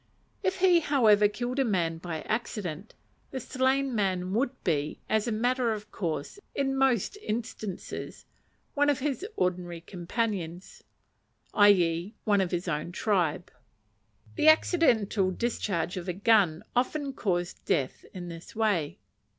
If he, however, killed a man by accident, the slain man would be, as a matter of course, in most instances, one of his ordinary companions i.e., one of his own tribe. The accidental discharge of a gun often caused death in this way.